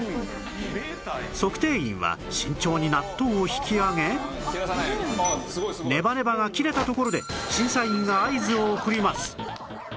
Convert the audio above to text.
測定員は慎重に納豆を引き上げネバネバが切れたところで審査員が合図を送ります